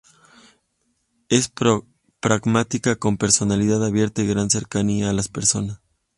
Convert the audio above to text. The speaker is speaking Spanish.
Es pragmático con personalidad abierta y gran cercanía a las personas.